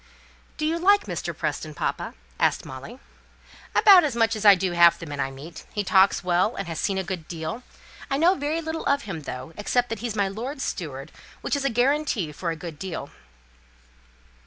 "Do you like Mr. Preston, papa?" asked Molly. "About as much as I do half the men I meet. He talks well, and has seen a good deal. I know very little of him, though, except that he's my lord's steward, which is a guarantee for a good deal."